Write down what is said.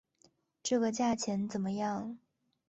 这个价钱怎么样？